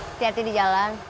hati hati di jalan